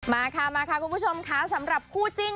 มาค่ะมาค่ะคุณผู้ชมค่ะสำหรับคู่จิ้น